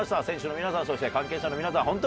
選手の皆さんそして関係者の皆さん